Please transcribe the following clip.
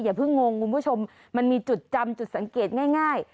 เพิ่งงงคุณผู้ชมมันมีจุดจำจุดสังเกตง่าย